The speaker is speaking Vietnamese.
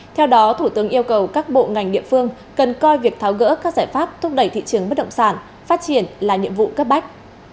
theo đó thủ tướng yêu cầu các bộ ngành địa phương cần coi việc tháo gỡ các giải pháp thúc đẩy thị trường bất động sản phát triển là nhiệm vụ cấp bách